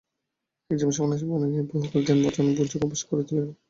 এক যুবক সন্ন্যাসী বনে গিয়া বহুকাল ধ্যান-ভজন ও যোগাভ্যাস করিতে লাগিলেন।